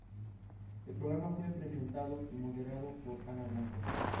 El programa fue presentado y moderado por Ana Blanco.